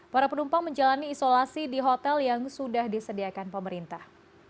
para penumpang menjalani isolasi di hotel yang sudah disediakan pemerintah